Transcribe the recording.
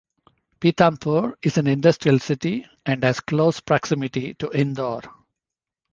Pithampur is an industrial city, and has close proximity to Indore.